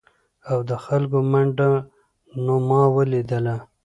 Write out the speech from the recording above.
او د خلکو منډه نو ما ولیدله ؟